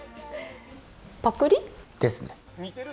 パクリ？ですね。